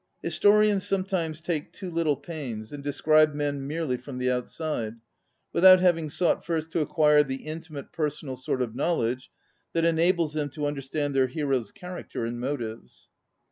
Historians sometimes take too little pains, and describe men merely from the outside, without having sought first to acquire the intimate personal sort of knowledge that enables them to understand their hero's character and motives.